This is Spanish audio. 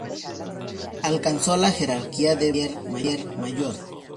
Alcanzó la jerarquía de brigadier mayor.